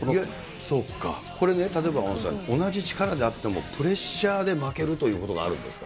そうか、これね、例えば大野さん、同じ力であっても、プレッシャーで負けるということがあるんですか？